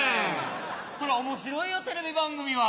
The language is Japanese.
そりゃ面白いよテレビ番組は。